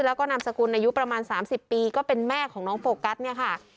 แล้วก็นามสกุลอายุประมาณ๓๐ปีก็เป็นแม่ของน้องโฟกัสเนี่ยค่ะ